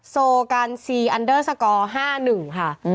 โซกันซีอันเดอร์สกอร์๕๑ค่ะ